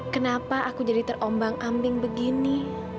kenapa aku jadi terombang ambing begini